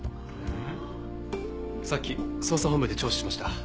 さっき捜査本部で聴取しました。